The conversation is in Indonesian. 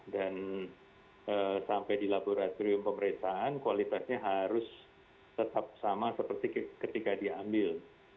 dan sampai di laboratorium pemeriksaan kualitasnya harus tetap sama seperti ketika diambil